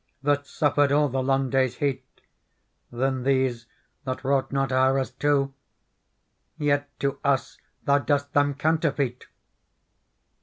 That suffered all the long day's heat. Than these that wrought not houres two ; Yet to us thou dost them counterfeit